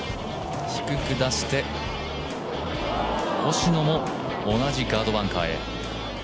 低く出して、星野も同じガードバンカーへ。